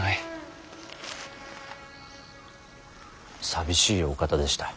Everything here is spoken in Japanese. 寂しいお方でした。